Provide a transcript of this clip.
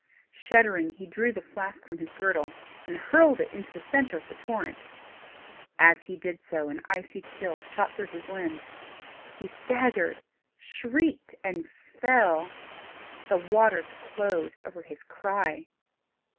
Shuddering he drew the flask from his girdle, and hurled it into the centre of the torrent. As he did so, an icy chill shot through his limbs: he staggered, shrieked, and fell. The waters closed over his cry.